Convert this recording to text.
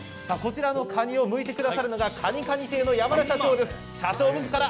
こちらのカニをむいてくださるのが、蟹かに亭の山田社長です。